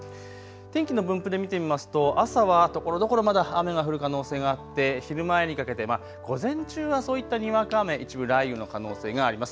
天気の分布で見てみますと朝はところどころまだ雨が降る可能性があって昼前にかけて、午前中はそういったにわか雨、一部雷雨の可能性があります。